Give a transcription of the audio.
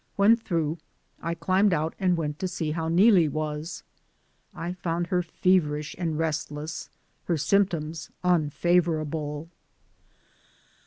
When through I climbed out and went to see how Neelie was. I found her feverish and rest less; her symptoms unfavorable.